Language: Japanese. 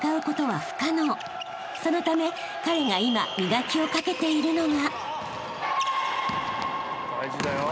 ［そのため彼が今磨きをかけているのが］